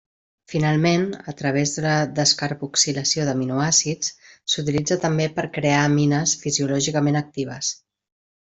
Finalment, a través de la descarboxilació d'aminoàcids, s'utilitza també per crear amines fisiològicament actives.